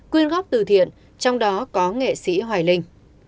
quyên góp từ thiện trong đó có nghệ sĩ hoài linh